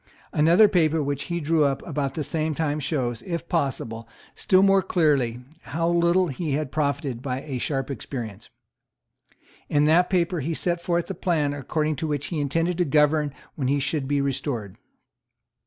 Another paper which he drew up about the same time shows, if possible, still more clearly, how little he had profited by a sharp experience. In that paper he set forth the plan according to which he intended to govern when he should be restored.